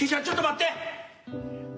ちょっと待って。